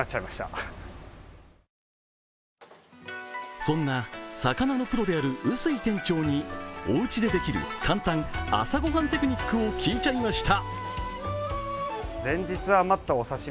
そんな魚のプロである臼井店長におうちでできる簡単朝御飯テクニックを教えてもらいました。